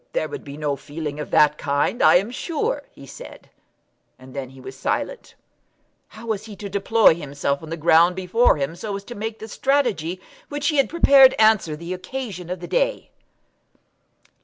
"There would be no feeling of that kind, I am sure," he said. And then he was silent. How was he to deploy himself on the ground before him so as to make the strategy which he had prepared answer the occasion of the day?